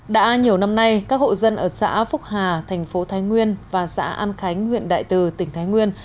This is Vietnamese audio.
đã nhiều năm nay các hộ dân ở xã phúc hà thành phố thái nguyên và xã an khánh huyện đại từ tỉnh thái nguyên